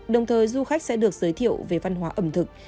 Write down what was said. đồng thời du khách sẽ được giới thiệu về văn hóa ẩm thực